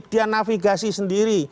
dia navigasi sendiri